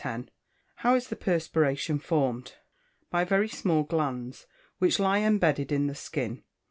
How is the perspiration formed? By very small glands, which lie embedded in the skin.